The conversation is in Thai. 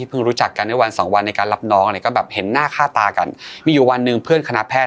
รู้จักกันได้วันสองวันในการรับน้องเนี่ยก็แบบเห็นหน้าค่าตากันมีอยู่วันหนึ่งเพื่อนคณะแพทย